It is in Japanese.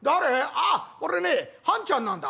「ああこれねはんちゃんなんだ」。